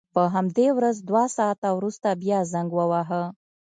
په همدې ورځ دوه ساعته وروسته بیا زنګ وواهه.